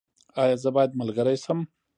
ایا زه باید ملګری شم؟